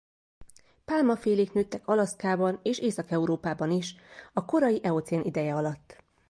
Pálmafélék nőttek Alaszkában és Észak-Európában is a korai eocén ideje alatt.